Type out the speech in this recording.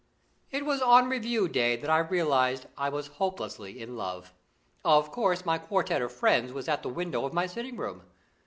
It was on Review day that I realised I was hopelessly in love. Of course my quartet of friends was at the windows of my sitting room.